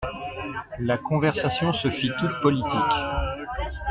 La conversation se fit toute politique.